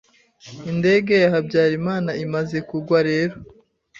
indege ya Habyarimana imaze kugwa rero